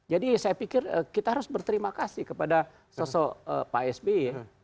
jadi saya pikir kita harus berterima kasih kepada sosok pak sbi